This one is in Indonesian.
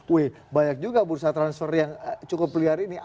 weh banyak juga bursa transfer yang cukup liar ini